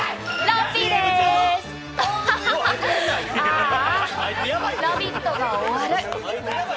あ、「ラヴィット！」が終わる。